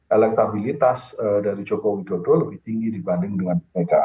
elektabilitas dari joko widodo lebih tinggi dibanding dengan pki